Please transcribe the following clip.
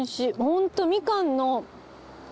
本当みかんの。